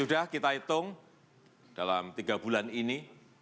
sudah kita hitung dalam tiga bulan ini